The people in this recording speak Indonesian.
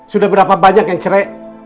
sudah berapa banyak yang cerai